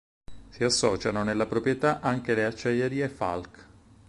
Si associano nella proprietà anche le Acciaierie Falck.